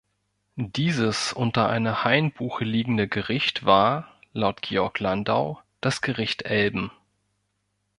Dieses unter einer Hainbuche liegende Gericht war, laut Georg Landau, das Gericht Elben.